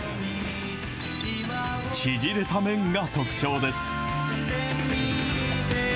縮れた麺が特徴です。